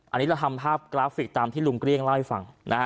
อันนี้เราทำภาพกราฟิกตามที่ลุงเกลี้ยงเล่าให้ฟังนะฮะ